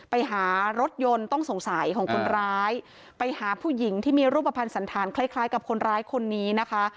ไปหารถยนต์ต้องสงสัยของคนร้ายไปหาผู้หญิงที่มีรูปภัณฑ์สันธารคล้ายคล้ายกับคนร้ายคนนี้นะคะ